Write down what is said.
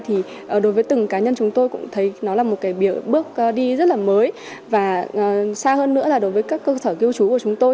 thì đối với từng cá nhân chúng tôi cũng thấy nó là một cái bước đi rất là mới và xa hơn nữa là đối với các cơ sở lưu trú của chúng tôi